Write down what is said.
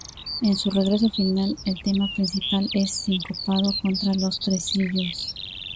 En su regreso final, el tema principal es sincopado contra los tresillos.